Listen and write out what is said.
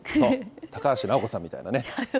高橋尚子さんみたいなね。